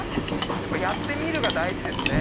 やっぱやってみるが大事ですね！